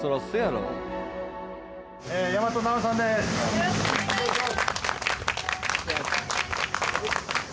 よろしくお願いします